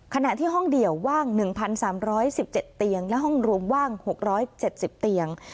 ขณะที่ห้องเดี่ยวว่าง๑๓๑๗เตียงและห้องรวมว่าง๖๗๐เตียง